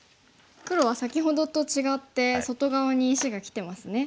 黒は先ほどと違って外側に石がきてますね。